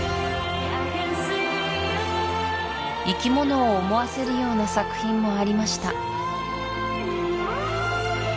生き物を思わせるような作品もありました